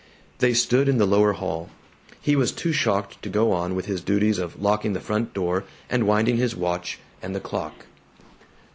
They stood in the lower hall. He was too shocked to go on with his duties of locking the front door and winding his watch and the clock.